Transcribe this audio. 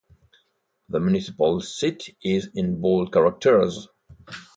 The municipal seat is in bold characters.